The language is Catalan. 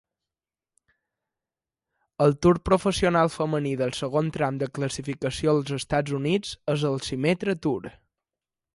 El tour professional femení del segon tram de classificació als Estats Units és el Symetra Tour.